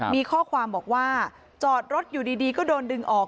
มีข้อความบอกว่าจอดรถอยู่ดีก็โดนดึงออก